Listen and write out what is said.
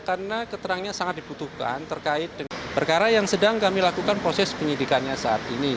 karena keterangnya sangat dibutuhkan terkait dengan perkara yang sedang kami lakukan proses penyidikannya saat ini